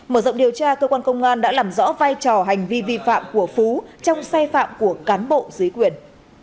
mở rộng điều tra cơ quan công an đã làm rõ vai trò hành vi vi phạm của phú trong sai phạm của cán bộ dưới quyền